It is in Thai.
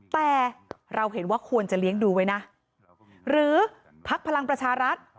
แต่เราเห็นว่าควรจะเลี้ยงดูไว้นะหรือพักพลังประชารัฐ